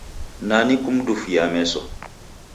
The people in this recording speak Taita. Nani kumdufuyaa meso?